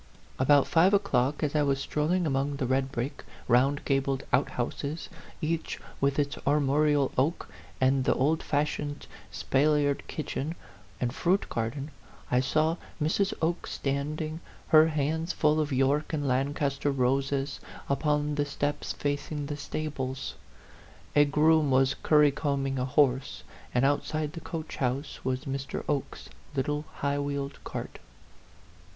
About five o'clock, as I was strolling among the red brick, round gabled outhouses each with its armorial oak and the old fashioned spal liered kitchen and fruit garden, I saw Mrs. Oke standing, her hands full of York and Lancaster roses, upon the steps facing the stables. A groom was currycombing a horse, and outside the coach house was Mr. Oke's little high wheeled cart.